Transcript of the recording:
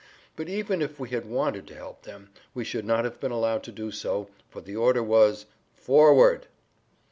But even if we had wanted to help them we should not have been allowed to do so, for the order was "Forward!"